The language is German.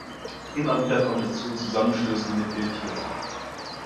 Immer wieder kommt es zu Zusammenstößen mit Wildtieren.